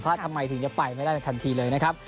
ทำไมถึงจะไปไม่ได้ในทันทีเลยนะครับ